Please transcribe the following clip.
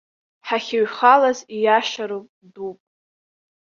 Ҳахьыҩхалаз, ииашароуп, дәуп.